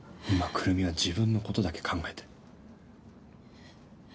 今来美は自分のことだけ考えて。